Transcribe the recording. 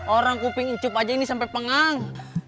orang kuping icup aja ini sampe pengang